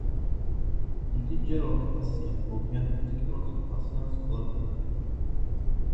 იგი ჯერ ორკლასიან, მოგვიანებით კი ოთხკლასიან სკოლად გადაკეთდა.